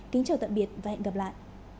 kính chào tạm biệt và hẹn gặp lại